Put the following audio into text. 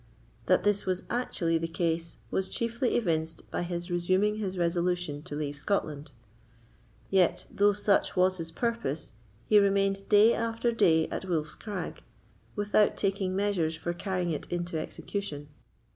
That this was actually the case was chiefly evinced by his resuming his resolution to leave Scotland. Yet, though such was his purpose, he remained day after day at Wolf's Crag, without taking measures for carrying it into execution.